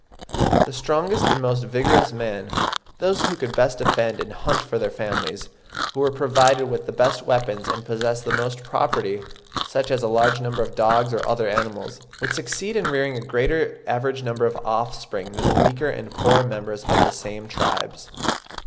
The strongest and most vigorous men—those who could best defend and hunt for their families, who were provided with the best weapons and possessed the most property, such as a large number of dogs or other animals,—would succeed in rearing a greater average number of offspring than the weaker and poorer members of the same tribes.